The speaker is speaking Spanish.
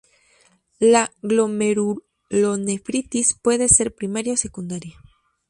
La glomerulonefritis puede ser "primaria" o "secundaria".